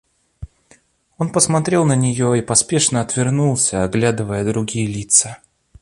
Он посмотрел на нее и поспешно отвернулся, оглядывая другие лица.